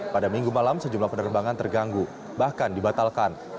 pada minggu malam sejumlah penerbangan terganggu bahkan dibatalkan